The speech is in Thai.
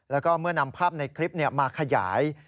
แล้วก็เมื่อนำภาพในคลิปมาขยาย